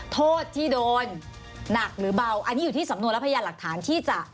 โทษที่โดนหนักหรือเบาอันนี้อยู่ที่สำนวนและพยานหลักฐานที่จะ